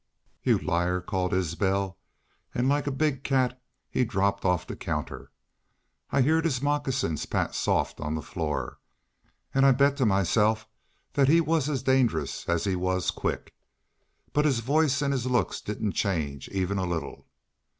"'You're a liar,' called Isbel, an' like a big cat he dropped off the counter. I heerd his moccasins pat soft on the floor. An' I bet to myself thet he was as dangerous as he was quick. But his voice an' his looks didn't change even a leetle.